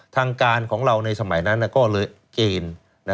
ทางการของเราในสมัยนั้นก็เลยเกณฑ์